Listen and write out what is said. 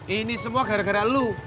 ini semua gara gara lu